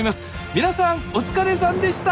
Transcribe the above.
皆さんお疲れさんでした！